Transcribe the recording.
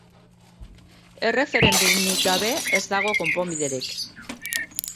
Erreferendumik gabe ez dago konponbiderik.